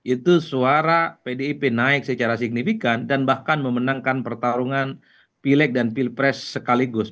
itu suara pdip naik secara signifikan dan bahkan memenangkan pertarungan pilek dan pilpres sekaligus